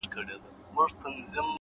o میاشته کېږي بې هویته؛ بې فرهنګ یم؛